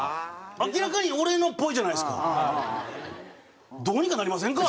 明らかに俺のっぽいじゃないですか。